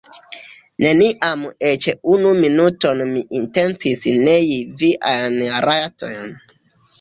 Neniam eĉ unu minuton mi intencis nei viajn rajtojn.